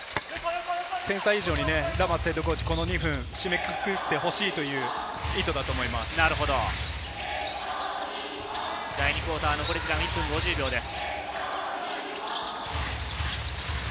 点差以上にラマスヘッドコーチ、このクオーター、締めくくってほしいという意図だ第２クオーター、残りは１分５０秒です。